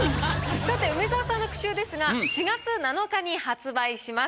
さて梅沢さんの句集ですが４月７日に発売します。